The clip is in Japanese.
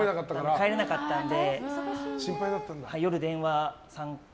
帰れなかったから。